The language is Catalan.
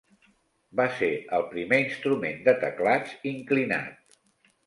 Va ser el primer instrument de teclats inclinat.